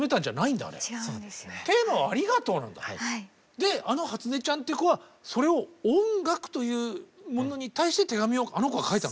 であのはつねちゃんっていう子はそれを音楽というものに対して手紙をあの子が書いた。